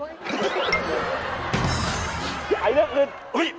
เกิดอะไรขึ้น